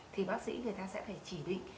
thì bác sĩ người ta sẽ phải chỉ định